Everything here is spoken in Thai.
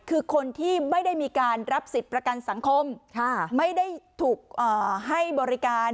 คือคนที่ไม่ได้มีการรับสิทธิ์ประกันสังคมไม่ได้ถูกให้บริการ